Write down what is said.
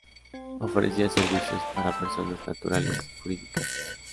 Ofrecía servicios para personas naturales y jurídicas.